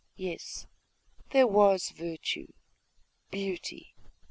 Yes, there was virtue, beauty....